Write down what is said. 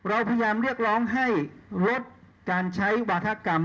เราพยายามเรียกร้องให้ลดการใช้วาธกรรม